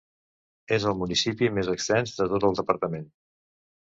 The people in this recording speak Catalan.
És el municipi més extens de tot el departament.